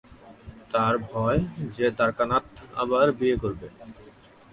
তার ভয়, যে দ্বারকানাথ আবার বিয়ে করবে।